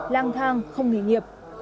lang thang không nghỉ nghiệp